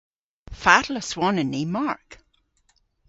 Fatel aswonyn ni Mark?